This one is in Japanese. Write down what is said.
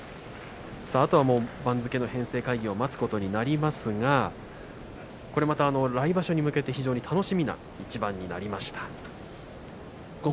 あとは番付の編成会議を待つことになりますが来場所に向けて楽しみな一番になりました。